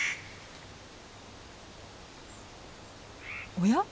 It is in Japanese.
おや？